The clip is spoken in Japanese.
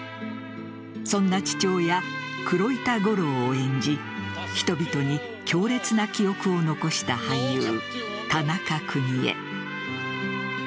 そんな父親・黒板五郎を演じ人々に強烈な記憶を残した俳優田中邦衛。